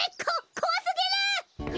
こわすぎる！